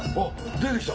出てきた！